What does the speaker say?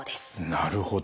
なるほど。